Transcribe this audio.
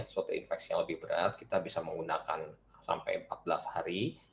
suatu infeksi yang lebih berat kita bisa menggunakan sampai empat belas hari